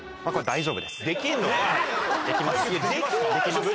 できます。